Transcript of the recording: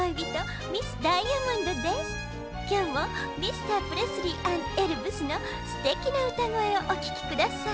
きょうもミスタープレスリー＆エルヴスのすてきなうたごえをおききください。